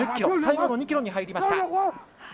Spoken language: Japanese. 最後の２ｋｍに入りました。